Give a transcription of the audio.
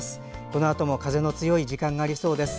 このあとも風の強い時間がありそうです。